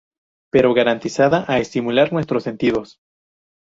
Pero garantizada a estimular nuestros sentidos".